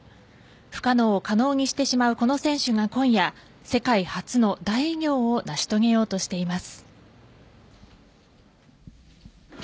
不可能を可能にしてしまうこの選手が今夜世界初の大偉業を成し遂げようとしています。